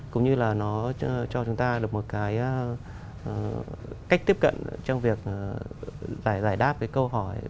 cũng như là nó cho chúng ta được một cái cách tiếp cận trong việc giải đáp cái câu hỏi